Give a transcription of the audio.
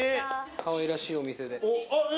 かわいらしいお店で。